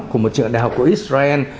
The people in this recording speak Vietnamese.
của một trường đại học của israel